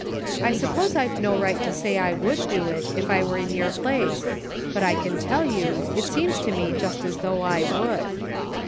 I suppose I've no right to say I would do it if I were in your place ; but I can tell you it seems to me just as though I would."